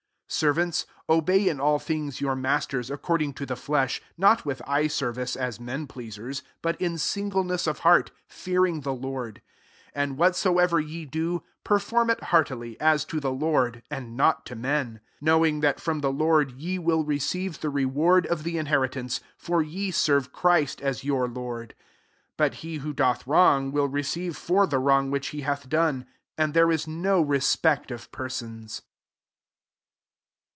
22 Servants, obey, * So WakefieU. See FMddhant oadar tarr^fuu. COLOSSIANS IV, 3£9 in all things, your masters ac :ording to the flesh ; not with 3ye service, as men pleasers, 3ut in singleness of heart, fear ng the Lord : 23 and whatso iver ye do, perform it heartily, is to the Lord, and not to men ; J4 knowing, that from the Lord re will receive the reward of he inheritance : [_for] ye serve [Christ at your Lord. 93 But he vho doth wrong, will receive or the wrong which he hath lone: and there is no respect >f persons.